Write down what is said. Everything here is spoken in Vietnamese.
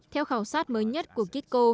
theo khảo sát mới nhất